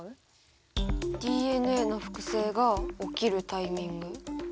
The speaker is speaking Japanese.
ＤＮＡの複製が起きるタイミング。